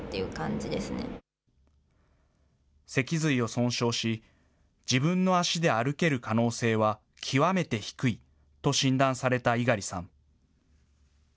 脊髄を損傷し、自分の足で歩ける可能性は極めて低いと診断された猪狩さん。